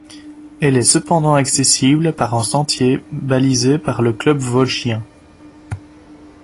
Elle est cependant accessible par un sentier balisé par le Club vosgien.